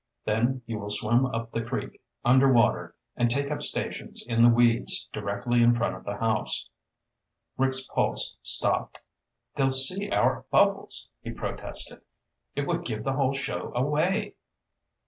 Then you will swim up the creek, underwater, and take up stations in the weeds directly in front of the house." Rick's pulse stopped. "They'll see our bubbles," he protested. "It would give the whole show away!"